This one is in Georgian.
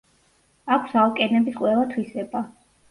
აქვს ალკენების ყველა თვისება.